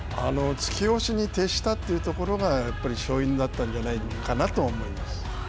突き押しに撤したというところがやっぱり勝因だったんじゃないかなと思います。